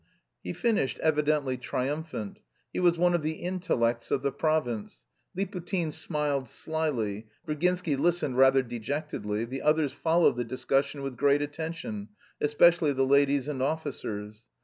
He finished evidently triumphant. He was one of the intellects of the province. Liputin smiled slyly, Virginsky listened rather dejectedly, the others followed the discussion with great attention, especially the ladies and officers.